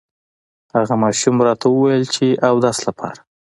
هغه ماشوم راته ووې چې اودس لپاره